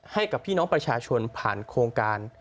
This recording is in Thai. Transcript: ให้กับพี่น้องประชาชนผ่านโครงการ